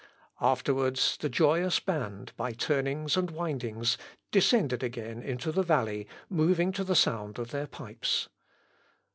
Afterwards the joyous band, by turnings and windings, descended again into the valley, moving to the sound of their pipes.